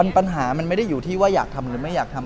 ปัญหามันไม่ได้อยู่ที่ว่าอยากทำหรือไม่อยากทำ